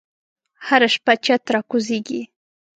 هره شپه چت راکوزیږې